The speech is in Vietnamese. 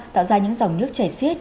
tạo ra những dòng nước chảy xiết